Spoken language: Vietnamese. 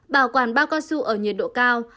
bảo quản bao cao su ở nhiệt độ cao